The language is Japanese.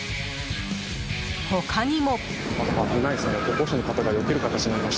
他にも。